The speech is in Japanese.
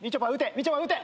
みちょぱ撃て！